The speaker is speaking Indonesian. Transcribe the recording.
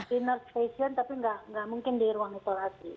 dinner station tapi nggak mungkin di ruang isolasi